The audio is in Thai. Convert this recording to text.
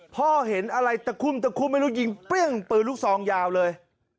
พ่อเห็นอะไรตะคุ่มตะคุ่มไม่รู้ยิงเปรี้ยงปืนลูกซองยาวเลย